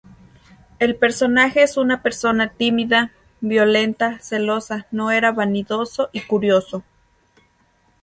El personaje es una persona tímida, violenta, celosa, no era vanidoso y curioso.